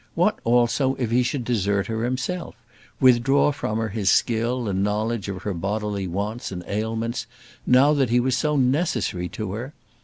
What, also, if he should desert her himself; withdraw from her his skill and knowledge of her bodily wants and ailments now that he was so necessary to her?